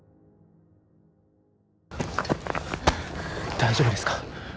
大丈夫ですか？